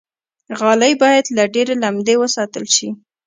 غالۍ باید له ډېرې لمدې وساتل شي.